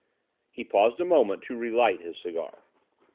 He paused a moment to relight his cigar.